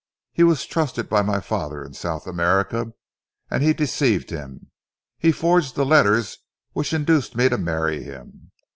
He was trusted by my father in South America and he deceived him, he forged the letters which induced me to marry him.